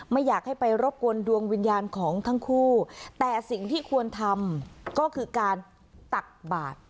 ไม่อยากให้ไปรบกวนดวงวิญญาณของทั้งคู่แต่สิ่งที่ควรทำก็คือการตักบาท